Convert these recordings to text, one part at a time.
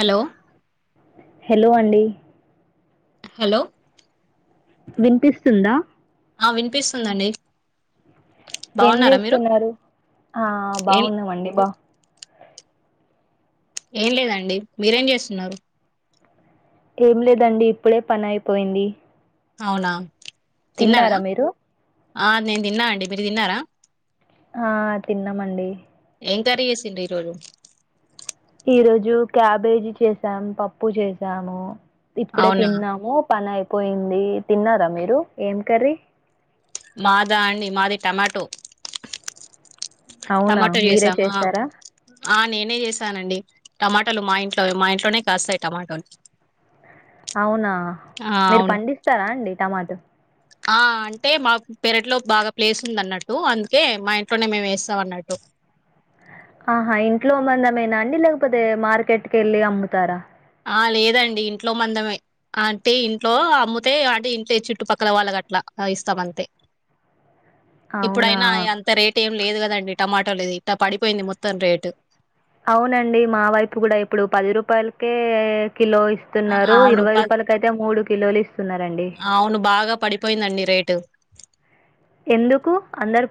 Hello hello అండి hello వినిపిస్తుందా ఆ వినిపిస్తుందండి ఏం బాగున్నారా మీరు చేస్తున్నారు ఆ ఏం బాగుంన్న మండి బా ఏం లేదండి మీరేం చేస్తున్నారు ఏం లేదండి ఇప్పుడే పని అయిపోయింది అవునా తిన్నారా మీరు ఆ నేను తిన్నా అండి మీరు తిన్నారా ఆ తిన్నామండి. ఏం కర్రీ చేసిండ్రు ఈరోజు? ఈరోజు క్యాబేజీ చేసాం. పప్పు చేసాను. ఇప్పుడే అవునా తిన్నాము. పనయి పోయింది. తిన్నారా మీరు? ఏం కర్రీ? మాదా అండి? మాది టమాటో. అవునా టమాటో మీరే చేసామా చేసారా? ఆ నేనే చేశానండి. టమాటోలు మా ఇంట్లోవె, మా ఇంట్లోనే కాస్తాయి టమాటోలు. అవునా! ఆ మీరు అవును పండిస్తారా అండి టమాటో? ఆ అంటే మాకు పెరట్లో బాగా ప్లేస్ ఉంది అన్నట్టు, అందుకే మా ఇంట్లోనే మేము ఏస్తాం అన్నట్టు. ఆహా ఇంట్లో మందమేనా అండి! లేకపోతే, మార్కెట్ కెళ్ళి అమ్ముతారా? ఆ లేదండి ఇంట్లో మందమే. అంటే ఇంట్లో అమ్ముతే అంటే, ఇంట్లో చుట్టుపక్కల వాళ్ళకి అట్లా ఇస్తాం అంతే. అవునా ఇప్పుడయినా, అయ అంత రేట్ ఏం లేదు కదండి! వి టమాటోలుది, ఇట్ట పడిపోయింది మొత్తం రేటు. అవునండి. మా వైపు కూడా ఇప్పుడు పది రూపాయలకే, కిలో ఆ, అవును ఇస్తున్నారు. అవును ఇరవై ప రూపాయలకయితే, మూడు కిలోలు ఇస్తున్నారండి. అవును బాగా పడిపోయిందండి రేటు ఎందుకు? అందరు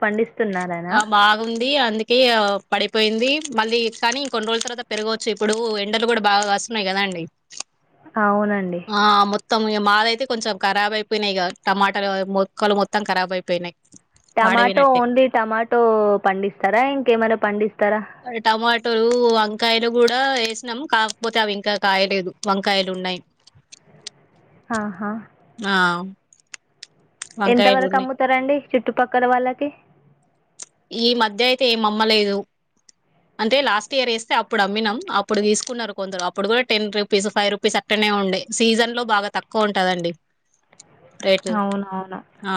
ఆ బాగుంది అందుకే ఇగ పడిపోయింది. మళ్ళీ, కానీ కొన్ని రోజుల తర్వాత పెరగవచ్చు. ఇప్పుడు, ఎండలు కూడ బాగా కాస్తున్నాయి కదా అండి. అవునండి. త్తం ఇగ మావయితే కొంచం ఖరాబ్ అయిపోయినయ్ ఇగ. టమాటాలు మొక్కలు మొత్తం ఖరాబ్ అయిపోయినాయి. టమాటో పాడైపోయినట్టే ఓన్డి టమాటో పండిస్తారా? ఇంకేమైనా పండిస్ అవి టమాటోలు అగ్ వంకాయలు కూడా వేసినాం. కాకపోతే, అవి ఇంకా కాయలేదు వంకాయలున్నాయ్. ఆహా ఎంత వంకాయలు వరకు ఉన్నాయి అమ్ముతరండి? చుట్టుపక్కల వాళ్ళకి. ఈ మధ్య అయితే ఏం అమ్మలేదు. అంటే లాస్ట్ ఇయర్ వేస్తే అప్పుడు అమ్మినాం. అప్పుడు తీసుకున్నారు కొందరు అప్పుడు కూడా, టెన్ రూపీస్, ఫైవ్ రూపీస్, అట్టనె ఉండె. సీజన్ లో బాగా తక్కువుంటదండి. రేటు. అవునవును. ఆ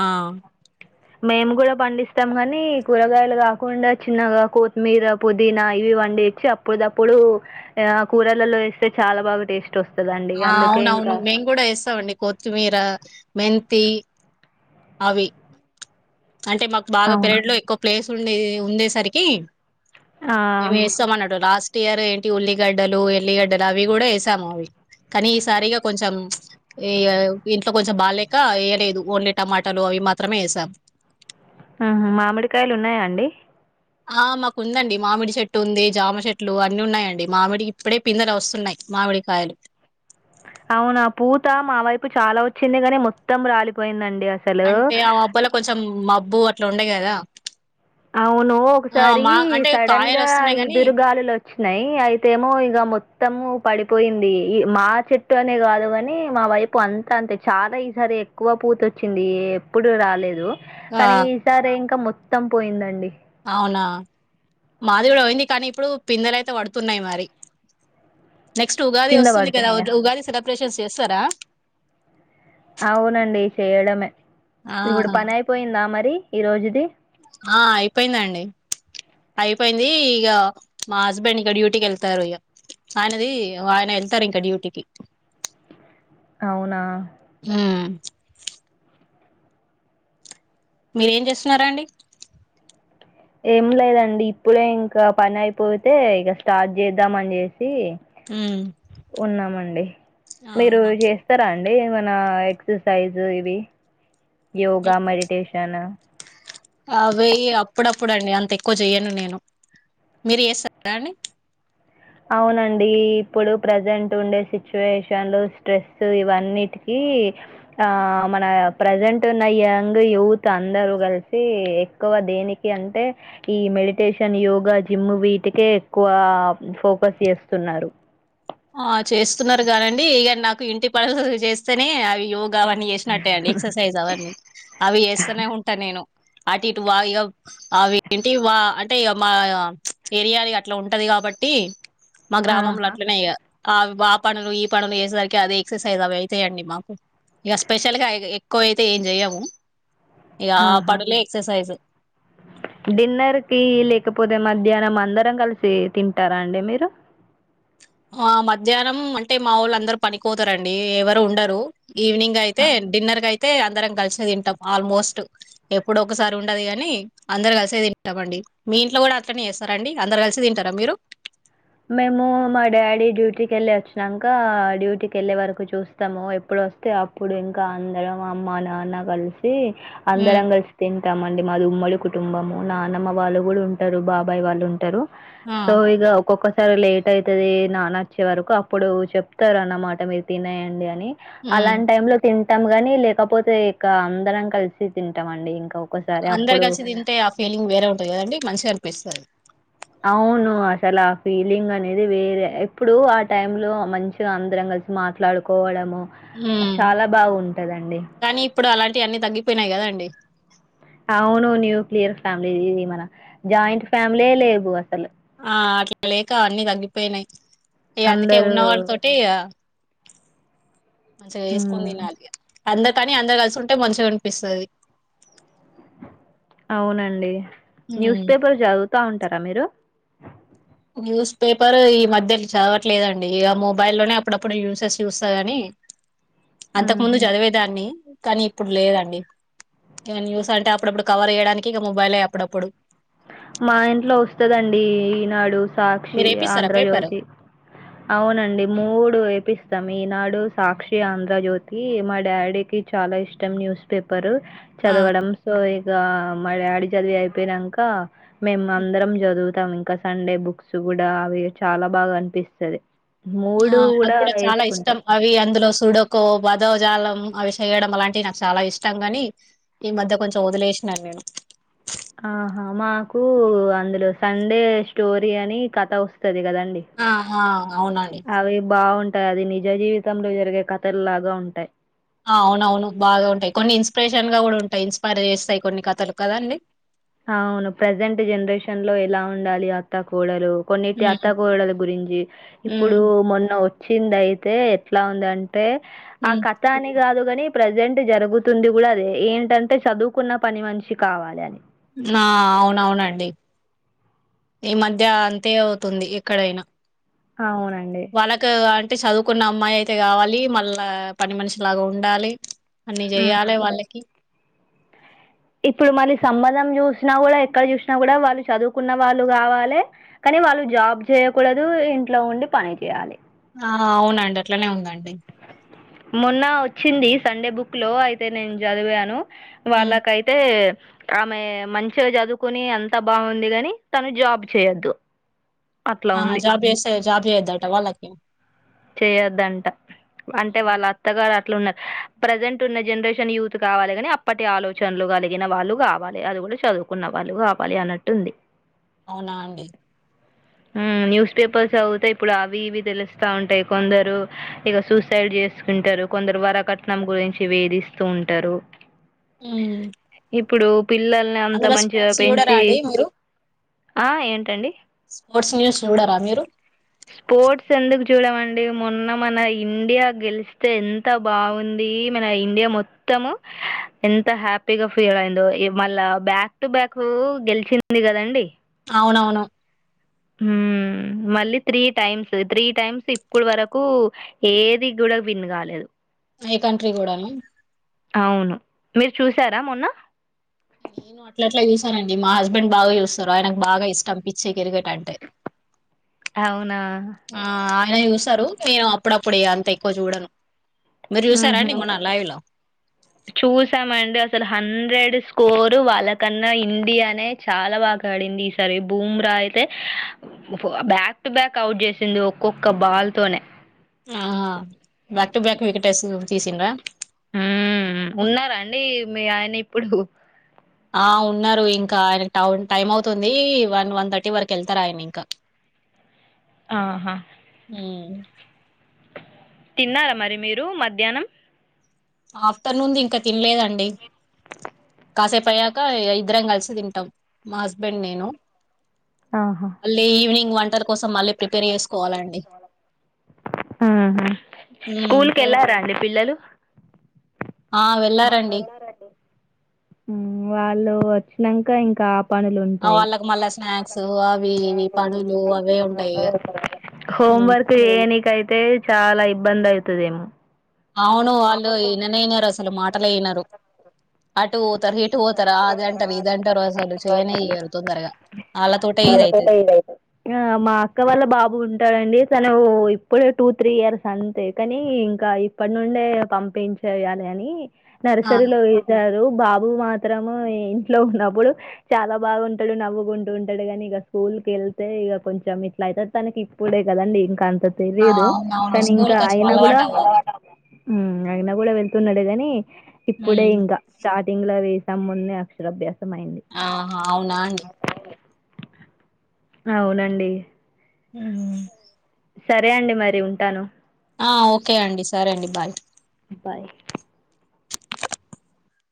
మేము కూడ పండిస్తాం కానీ, కూరగాయలు కాకుండా చిన్నగ కొత్తిమీర, పుదీనా ఇవి పండిచ్చి అప్పుడిదప్పుడు ఆ కూరలలో వేస్తే చాల బాగ టేస్ ఆ అవునవును. మేం గుడా ఏస్తమండి. కొత్తిమీర, మెంతి అవి అంటే మాకు బాగ అవును పెరడ్ లో ఎక్కువ ప్లేస్ ఉండేది. ఉండేసరికి, ఆ మేమ్ ఇస్తాంమన్నట్టు లాస్ టియర్ ఏంటి ఉల్లిగడ్డలు ఎల్లిగడ్డలు అవి కూడా వేసాము అవి కానీ ఈసారిగా కొంచెం ఈ ఆ ఇంట్లో కొంచెం బాగాలేక వేయలేదు ఓన్లీ టమాటాలు అవి మాత్రమే వేసాము. ఆ హ్ మామిడికాయలు ఉన్నాయా అండి ఆ మాకుందండి మామిడి చెట్టు ఉంది జామ చెట్లు అన్ని ఉన్నాయండి, మామిడి ఇప్పుడే పిందలు వస్తున్నాయ్ మామిడి కాయలు. అవునా పూత మా వైపు చాలా వచ్చింది కాని మొత్తం రాలిపోయిందండ్ అంటే ఆ అబ్బాల కొంచెం మబ్ బువ్ అట్లా ఉండ్య కదా అవును ఆ ఒకసారి మా అంటే సడన్ కాయలు గా వస్తున్నాయి కాని ఈదురు గాలులు వచ్చినాయ్ అయితే ఏమో ఇక మొత్తము పడిపోయింది ఈ మా చెట్టు అనే కాదు కానీ మా వైపు అంతా అంతే చాలా ఈసారి ఎక్కువ పూతోచ్చింది ఎప్పుడు రాలేదు. ఆ కానీ ఈసారి ఇంకా మొత్ తమ్ పోయిందండి అవునా మాది కూడా అయింది కానీ ఇప్పుడు పిందలయితే పడుతున్నాయి మరి నెక్స్ట్ ఉగాది కింద వస్తుంది కదా పడుతున్నాయా ఉగాది సెలబ్రేషన్స్ చేస్తారా అవునండి చేయడమే ఇప్పుడు ఆహా పని అయిపోయిందా మరి ఈ రోజుది ఆ అయిపోయిందండి అయిపోయింది ఇగ మా హస్బెండ్ ఇక డ్యూటీకి వెళ్తారు ఇగ ఆయనది ఆయన వెళ్తారు ఇంకా డ్యూటీకి. అవునా ఉమ్ మీరు ఏం చేస్తున్నారండి ఏం లేదండి ఇప్పుడే ఇంకా పని అయిపోతే ఇగ స్టార్ట్ చేద్దాం అని చేస్త్ తి ఉమ్ ఉన్నామండి మీరు ఆహా జెస్తారా అన్ అండి మన ఎక్ససైజ్ ఇది యోగా మెడిటేష్ ట్యానా అవేయ్ అప్పుడప్పుడు అండి అంత ఎక్కువ చెయ్యను నేను మీరు చేస్తారా అండి. అవునండి ఇప్పుడు ప్రజెంట్ ఉండే సిచ్యువేషన్లు స్ట్రెసు ఇవన్నిటికి ఆ మన ప్రజెంట్ ఉన్న యంగ్ యూత్ అందరు కలిసి ఎక్కువ దేనికి అంటే ఈ మెడిటేషన్ యోగా జిమ్ వీటికే ఎక్కువ ఫోకస్ చేస్తున్నారు ఆ చేస్తున్నారు కానండి ఇగ నాకు ఇంటి పనులు చేస్తేనే అవి యోగ్ గ అవన్నీ చేసినట్టే అండి ఎక్సర్సైజ్ అవన్నీ అవి చేస్తనే ఉంటా నేను అటు ఇటు వా ఇగ అవెంటి వా అంటే ఇగ మా ఏరియా అట్లా ఉంటది కాబట్టి మా గ్రామంలో ఆహా! అట్లనే ఇగ అవి బ పనులు ఈ పనులు చేసేసరికి అదే ఎక్సర్సైజ్ అవే అయితాయండి మాకు, ఇగ స్పెషల్ గా ఎక్కువ అయితే ఏం చెయము. ఆహా డిన్నర్కి లేకపోతే మద్ ధ్యానం అందరం కలిసి తింటారా అండి మీరు ఆ మధ్యాహ్నం అంటే మావోళ్ళు అందరు పనికిపోతారండి ఎవరు ఉండరు. ఈవినింగ్ అయితే ఆ! డిన్నర్ కై తే అందరం కలిస తింటాం ఆల్మోస్ట్ ఎప్పుడో ఒకసారి ఉండదు కానీ అందరు కలిసే తింటాం అండి మీ ఇంట్లో కూడా అట్లనే చేస్తారా అండి అందరు కలిసి తింటారా మీరు మేము మా డాడీ డ్యూటీకి ఎళ్ళే వచ్చినంక డ్యూటీకి ఎళ్ళే వరకు చూస్తాము ఎప్పుడొస్తే అప్పుడు ఇంకా అందరం అమ్మా నాన్న కలిస్ సి హ్మ్ అందరం కలిసి తింటామండి మాది ఉమ్మడు కుటుంబము నానమ్మ వాళ్ళు గూడ ఉంటారు బాబాయ్ వాళ్ళు ఉంటరు ఆ సో ఇగ ఒక్కొక్క సర్ లేట్ ఐతది నాన్న వచ్చే వరకు అప్పుడు చెప్ తరు అన్నమాట మీరు తినేయండి అని హ్మ్ అలాంట్ టైమ్ లో తిం తమ్ గాని లేకపోతే ఇకా అందరం కలిసి తింటాం అండి అందరు కలిసి తింటే ఆ ఫీలింగ్ వేరే ఉంటది కదండి మంచ్ గ అనిపిస్తది అవును అసల ఆ ఫీలింగ్ అనేది వేరే ఇప్పుడు ఆ టైంలో మంచిగా అందరం కలిసి మాట్లాడుకోవడము ఆ మ్మ్ చాలా బాగుంటదండి. కానీ ఇప్పుడు అలాంటి అన్ని తగ్గిపోయినాయి కదండీ అవు ఆ అట్లా లేక అన్ని దగ్గిపెయినాయ్ ఇగ అందుకే అందరూ ఉన్నవాల్ తోటె ఈ ఆ మంచిగా ఎసుకొని హ్మ్. తినాలి ఇగ అందు కనీ అందర్ కల్ సుకుంటే మంచ్ గ అనిపిస్తుంది అవునండి న్యూస్ హ్మ్ పేపర్ జదువుతా ఉం టర మీరు న్యూస్ పేపర్ ఈ మధ్య చదవట్లేదండి ఇగ మొబైల్లోనే అప్పుడప్పుడు యూసెస్ చూస్తా గాని అంతక్ ఆహా! ముందు చదివేదాన్ని కానీ ఇప్పుడు లేదండి ఇంగ్ న్యూస్ అంటే అప్పుడప్పుడు కవర్ చేయడానికి ఇక మొబైలే అప్పుడప్పుడు మా ఇంట్లో వస్తదండి ఈ ఈనాడు సాక్షి మీరు ఏపిస్తారా పేపర్ ఆంధ్రజ్యోతి అవునండి మూడు ఏపిస్తాం ఈనాడ్ డు సాక్షి ఆంధ్ర జ్యోతి మా డాడీకి చాలా ఇష్టం న్యూస్ పేపరు ఆ చదవడం సో ఈ దా మా డాడీ చదివి అయిపెనంక మేమ అందరం చదువ్ తం ఇంకా సండే బుక్స్ కూడా అవి చాలా బాగా అనిపిస్తది ఆ గూడా అక్కడ చాలా ఏసుకుంటాం. ఇష్టం అవి అందులో సూడకో బాద్ దోజాలం అవి చేయడం అలాంటివి నాకు చాలా ఇష్టం గాని ఈ మధ్య కొంచెం వదిలేశ్ నను నేను ఊఉ అందులో సండే స్టోరీ అని కథ వస్తది కదా ఆహ అవునండి కాది నిజ జీవితంలో జరిగే కథలు లాగా ఉంటాయి అవునవును బాగా ఉంటాయి కొన్ని ఇన్స్పిరేషన్ గా కూడా ఉంటాయి ఇన్స్పైర్ చేస్తాయి కొన్ని కథలు కదండి అవును ప్రజెంట్ జనరేషన్ లో ఎలా ఉండాలి అత్త కోడలు కొన్నిటి ఉమ్ అత్తా కోడలు గురించి ఉమ్ ఇప్పుడు మొన్న వచ్చింది అయితే ఎట్లా ఉంద అన్ ఆ ఉమ్ కథాని గాదు కాని ప్రజెంట్ జరుగుతుంది కూడ అదే ఏంటంటే చదువుకున్న పని మనిషి కావాలి అని ఆ అవునవునండి ఈ మధ్య అంతే అవుతుంది ఎక్కడైనా అవునండి అ చదువుకున్న అమ్మాయి అయితే కావాలి మళ్ళా పని మనిషిలాగ ఉండాలి అన్ని హ్మ్. చెయాలే వాళ్ళకి చూసినా కూడ ఎక్కడ చూసిన కూడ వాళ్ళు చదువుకున్న వాళ్ళు కావాలి కానీ వాళ్ళు జాబ్ చేయకూడదు ఇంట్లో ఉండి పని చేయాలి ఆ అవునండి అట్లానే ఉందండి మొన్న వచ్చింది సండే బుక్ లో అయితే నేను చదివాను వాళ్ళకైతే ఆమె మంచిగా చదువుకుని అంత బాగుంది కాని జాబ్ చేయొద్దు అట్లా ఆ ఉంది. జాబ్ చేస్తే జాబ్ చేయదట వాళ్లకి చేయొద్దంట అంటే హ్మ్. వాళ్ళ అత్తగారు ప్రజెంట్ ఉన్న జనరేషన్ యూత్ కావాలి ని అప్పటి ఆలోచనలు కలిగిన వాళ్ళు కావాలి అది కూడా చదువుకున్న వాళ్ళు కావాలి అన్నట్టుంది అవునా అండి న్యూస్ పేపర్స్ చదువుతా ఇప్పుడు అవి ఇవి తెలుస్తా ఉంటాయి కొందరు ఇక సూసైడ్ చేసుకుంటారు కొందరు వరకట్నం గురించి వేధిస్తూ ఉంటారు హు ఇప్పుడు పిల్లల్ని అంత మంచిగ చూడరా పెంచి అండి మీరు ఆ ఏంటండి స్పోర్ట్స్ న్యూస్ చూడర మీరు స్పోర్ట్స్ ఎందుకు చూడమండి మొన్న మన ఇండియా గెలిస్తే ఎంత బాగుంది మన ఇండియా మొత్తము ఎంత హ్యాపీగా ఫీల్ అయిందో మళ్ళా బ్యాక్ టు బ్యాక్ గెలిచింది కదండి అవునవును హు మళ్ళీ త్రీ టైమ్స్ త్రీ టైమ్స్ ఇప్పుడు వరకు ఏది కూడ విన్ కాలేదు ఏ కంట్రీ కూడన అవును మీరు చూసార మొన్న నేను అట్ల అట్ల చూసానండి మా హస్బెండ్ బాగ చూస్తారు ఆయనకు బాగా ఇష్టం పిచ్చే కిర్కెట్ అంటే అవున అయినా చూసారు నేను అప్పుడప్పుడే అంత ఎక్కువ చూడను మీరు చూసారా ఆహ అండి మొన్న లైవ్ లో చూసామండి అసలు హండ్రెడ్ స్కోరు వాళ్ళకన్నా ఇండియానే చాలా బాగ ఆడింది ఈసారి భూమ్రా అయితే బ్యాక్ టు బ్యాక్ అవుట్ చేసింది ఒక్కొక్క బాల్ తోనే ఆ బ్యాక్ టు బ్యాక్ వికెట్ తీసిండ్ర ఉ ఉన్నారా అండి మీ ఆయన పొడుకో ఆ ఉన్నారు ఇంకా ఆయన టౌన్ టైమ్ అవుతుంది వన్ వన్ థర్టీ వరకు వెళ్తారా ఆయన ఇంకా ఆహా ఉమ్ తిన్నారా మరి మీరు మధ్యాహ్నం ఆఫ్టర్నూన్ ది ఇంకా తినలేదండి కాసేపు అయ్యాక ఇద్దరం కలిసి తింటాం మా హస్బెండ్ నేను అళ్ ఈవినింగ్ వంటలు ఉహుమ్ ఉమ్, స్కూల్ కి వెళ్లారా అండి పిల్లలు ఆ వెళ్లారండి ఉమ్ వాళ్ళు వచ్చినాక ఇంకా ఆ పనులుంటాయి వాళ్ళకి మళ్ళా స్నాక్స్ అవి ఇవి పనులు అవే ఉంటాయి ఇక హోం ఉమ్, వర్క్ చేయనిక అయితే చాలా ఇబ్బంది అవుతు వస్తదేమో అవును వాళ్ళు ఈననే యినారు అసలు మాటలే యినారు అటు పోతారు ఇటు పోతారు అది అంటారు ఇది అంటారు అసలు చేయనే ఇయ్యరు తొందరగా వాళ్ళతోటే ఇదైతది మా అక్క వాళ్ళ బాబు ఉంటాడండి తను ఇప్పుడే టూ త్రీ ఇయర్స్ అంతే కాని ఇంకా ఇప్పటి నుండే పంపించెయ్యాలి అని ఆ నర్సరీలో వేసారు బాబు మాత్రము ఇంట్లో ఉన్నప్పుడు చాలా బాగుంటాడు నవ్వుకుంటు ఉంట సర్లే కానీ ఇక స్కూల్ కి వెళ్తే ఇక కొంచెం ఇట్లా అయితే తనకి ఇప్పుడే కదండి ఇంకా ఇంకా ఆ తెలిదు అవునవును కానీ స్కూల్ ఇంకా కి కొంచెం ఆయన కూడా అలవాటు అవ్వాలి ఉమ్ ఆయన కూడా వెళ్తున్నట్టు అంతేగాని ఇప్పుడే ఉమ్ ఇంకా స్టార్టింగ్ లో వేసి తమ్ముడ్ని అక్షరాభ్యాసం అయింది ఆహ అవునా అండి అవునండి ఉమ్ సరే అండి మరి ఉంటాను ఆ ఓకే అండి సరే అండి బాయ్ బాయ్